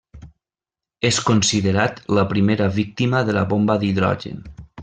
És considerat la primera víctima de la bomba d'hidrogen.